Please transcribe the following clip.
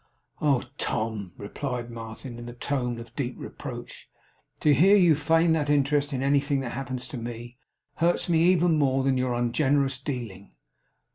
'Oh, Tom!' replied Martin, in a tone of deep reproach. 'To hear you feign that interest in anything that happens to me, hurts me even more than your ungenerous dealing.